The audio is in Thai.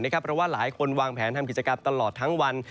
เพราะว่าหลายคนวางแผนทำกิจกรรมตลอดทั้งวัน